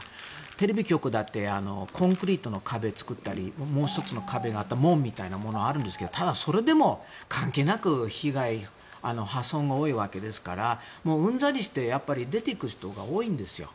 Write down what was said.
テレビ局だってコンクリートの壁を作ったりもう１つの壁があったり門みたいなものがあるんですけどただ、それでも関係なく被害、破損は多いわけですからうんざりして出ていく人が多いんですよ。